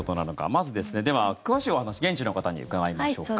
まず詳しいお話を現地の方に伺いましょうか。